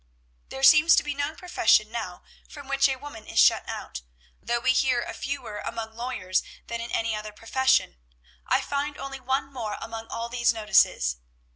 "There seems to be no profession now from which a woman is shut out, though we hear of fewer among lawyers than in any other profession. I find only one more among all these notices.